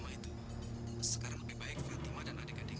ya biarin aja deh kak